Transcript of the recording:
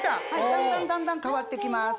だんだんだんだん変わってきます。